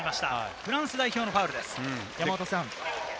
フランス代表のファウルです。